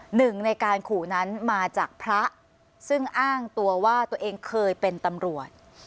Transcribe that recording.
หนึ่งในการขู่นั้นมาจากพระซึ่งอ้างตัวว่าตัวเองเคยเป็นตำรวจ